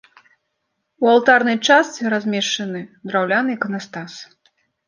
У алтарнай частцы размешчаны драўляны іканастас.